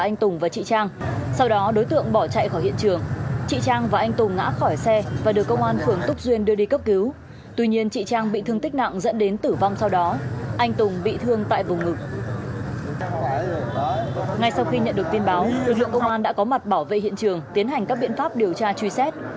ngay sau khi nhận được tin báo lực lượng công an đã có mặt bảo vệ hiện trường tiến hành các biện pháp điều tra truy xét